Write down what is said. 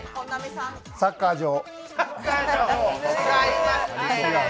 サッカー場。